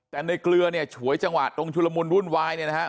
แต่ในเกลือเนี่ยฉวยจังหวะตรงชุลมุนวุ่นวายเนี่ยนะครับ